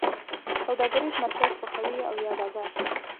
سوداګریز مرکز خوښوی او یا بازار؟